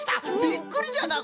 びっくりじゃな！